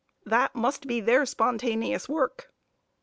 That must be their spontaneous work.